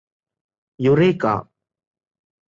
eureka